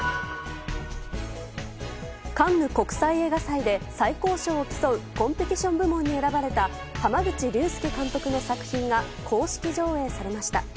カンヌ国際映画祭で最高賞を競うコンペティション部門に選ばれた濱口竜介監督の監督が公式上映されました。